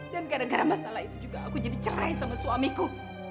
dan gara gara masalah itu juga aku jadi cerai sama suamiku